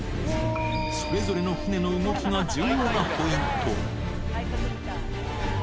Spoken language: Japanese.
それぞれの船の動きが重要なポイント。